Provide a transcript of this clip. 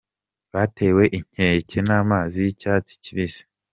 Batewe inkeke n’amazi y’icyatsi kibisi